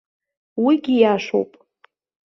Уигьы иашоуп.